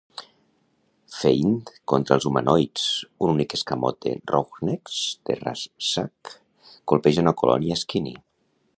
Feint contra els humanoides: un únic escamot de Roughnecks de Rasczak colpeja una colònia Skinny.